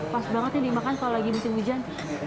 pas banget ini dimakan kalau lagi besi hujan